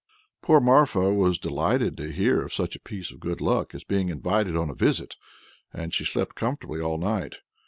Poor Marfa was delighted to hear of such a piece of good luck as being invited on a visit, and she slept comfortably all night.